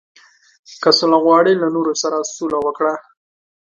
• که سوله غواړې، له نورو سره سوله وکړه.